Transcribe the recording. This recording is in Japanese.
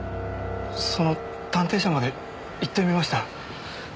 その探偵社まで行ってみました。